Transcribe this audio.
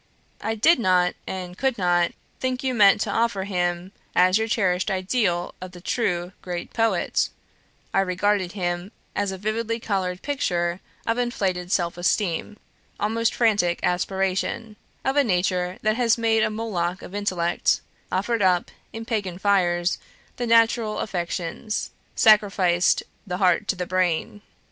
I did not and could not think you meant to offer him as your cherished ideal of the true, great poet; I regarded him as a vividly coloured picture of inflated self esteem, almost frantic aspiration; of a nature that has made a Moloch of intellect offered up; in pagan fires, the natural affections sacrificed the heart to the brain.